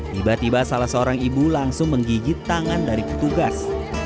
tiba tiba salah seorang ibu langsung menggigit tangan dari petugas